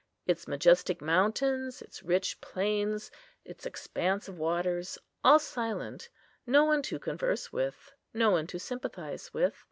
Its majestic mountains, its rich plains, its expanse of waters, all silent: no one to converse with, no one to sympathize with.